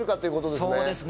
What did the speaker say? そうですね。